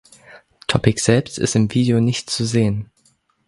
Topic selbst ist im Video nicht zu sehen.